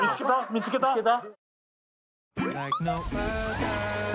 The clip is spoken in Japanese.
見つけた？